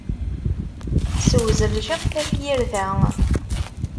Ssewzel ciṭ tafyirt-a.